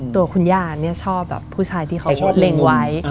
ตัวคุณย่าเนี่ยชอบแบบผู้ชายที่เขาเล็งไว้